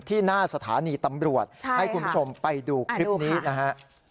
หน้าสถานีตำรวจให้คุณผู้ชมไปดูคลิปนี้นะฮะ